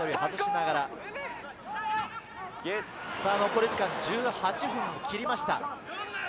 残り時間１８分を切りました。